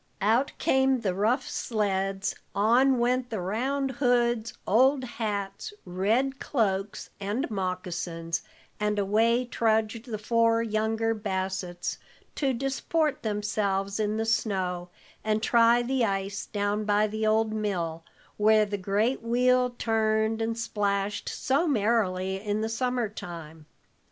Out came the rough sleds, on went the round hoods, old hats, red cloaks, and moccasins, and away trudged the four younger Bassetts, to disport themselves in the snow, and try the ice down by the old mill, where the great wheel turned and splashed so merrily in the summer time.